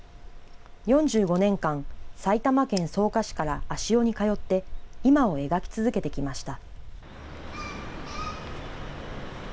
４５年間、埼玉県草加市から足尾に通って今を描き続けてきました。